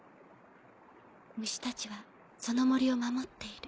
蟲たちはその森を守っている。